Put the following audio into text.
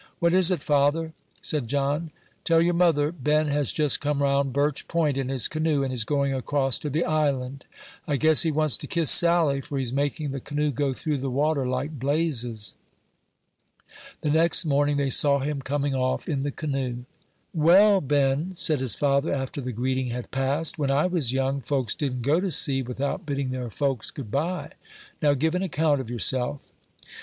"What is it, father?" said John. "Tell your mother Ben has just come round Birch Point in his canoe, and is going across to the island; I guess he wants to kiss Sally, for he's making the canoe go through the water like blazes." The next morning they saw him coming off in the canoe. "Well, Ben," said his father, after the greeting had passed, "when I was young, folks didn't go to sea without bidding their folks good by. Now, give an account of yourself."